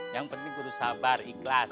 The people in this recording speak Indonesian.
yang penting guru sabar ikhlas